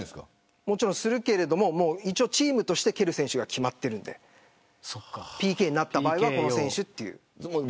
するけれど、チームとして蹴る選手が決まっているのでＰＫになった場合はこの選手。